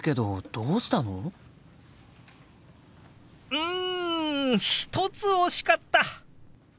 うん１つ惜しかった！